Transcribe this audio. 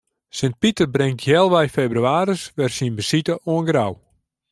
Sint Piter bringt healwei febrewaris wer syn besite oan Grou.